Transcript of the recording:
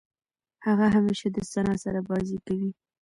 هغه همېشه د ثنا سره بازۍ کوي.